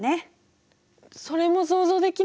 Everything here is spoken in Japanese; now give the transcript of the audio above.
それも想像できない。